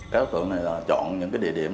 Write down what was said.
các đối tượng này là chọn những địa điểm